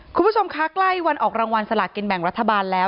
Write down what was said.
คุณผู้ชมคะใกล้วันออกรางวัลสลากินแบ่งรัฐบาลแล้ว